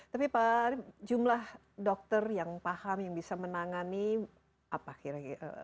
tapi pak jumlah dokter yang paham yang bisa menangani apa kira kira